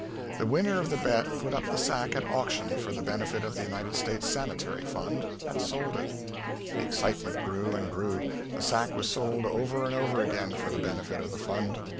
The winner of the bet put up the sack at auction for the benefit of the United States Sanitary Fund, and sold it. The excitement grew and grew. The sack was sold over and over again for the benefit of the Fund.